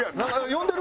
呼んでる？